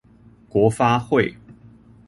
國發會